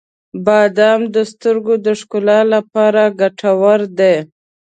• بادام د سترګو د ښکلا لپاره ګټور دي.